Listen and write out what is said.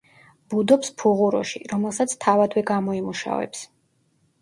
ბუდობს ფუღუროში, რომელსაც თავადვე გამოიმუშავებს.